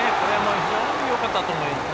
非常によかったと思います。